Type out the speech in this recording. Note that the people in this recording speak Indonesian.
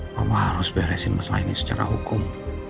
bapak harus beresin masalah ini secara hukum